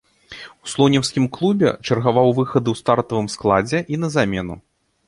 У слонімскім клубе чаргаваў выхады ў стартавым складзе і на замену.